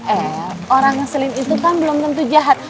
eh orang yang selim itu kan belum tentu jahat